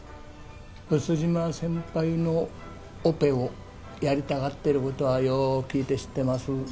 毒島先輩のオペをやりたがってる事はよう聞いて知ってます。